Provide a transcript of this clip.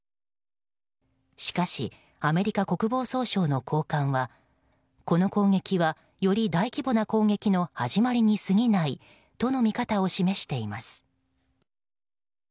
しかしアメリカ国防総省の高官はこの攻撃はより大規模な攻撃の始まりに過ぎないとの見方を示しています。